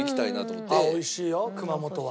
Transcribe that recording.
あっおいしいよ熊本は。